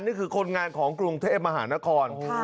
นี่คือคนงานของกรุงเทพมหานคร